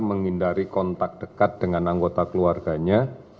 menghindari kontak dekat dengan anggota keluarganya